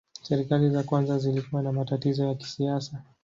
Serikali za kwanza zilikuwa na matatizo ya kisiasa.